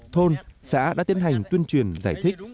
thôn xã đã tiến hành tuyên truyền giải thích